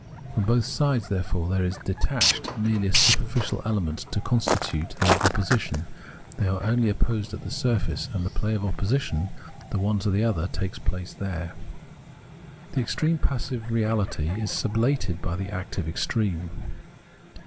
From both sides, therefore, there is detached merely a superficial element to constitute their opposi tion ; they are only opposed at the surface, and the play of opposition, the one to the other, takes place there. The extreme of passive reahty is sublated by the active extreme.